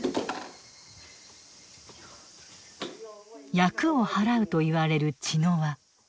厄を祓うといわれる茅の輪。